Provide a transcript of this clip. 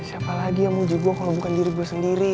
siapa lagi yang mujib gue kalau bukan diri gue sendiri